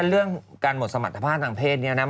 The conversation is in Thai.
เรื่องการหมดสมรรถภาพทางเพศนี้นะ